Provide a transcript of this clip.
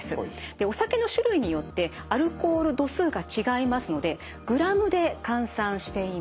お酒の種類によってアルコール度数が違いますのでグラムで換算しています。